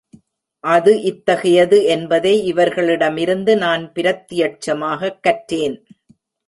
அது இத்தகையது என்பதை இவர்களிடமிருந்து நான் பிரத்யட்சமாகக் கற்றேன்.